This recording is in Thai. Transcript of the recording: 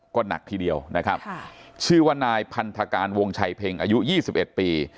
ก็หนักทีเดียวนะครับชื่อว่านายพันธการวงชัยเพ็งอายุ๒๑ปี